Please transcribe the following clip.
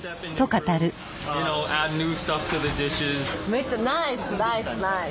めっちゃナイスナイスナイス。